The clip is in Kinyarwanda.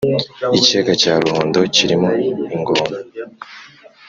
Ikiyaga cya ruhondo kirimo ingona